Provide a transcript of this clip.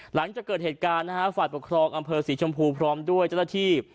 หลังจากเกิดเหตุการณ์นะฮะฝ่ายปกครองอำเภอสีชมพูพร้อมด้วยเจ้าหน้าที่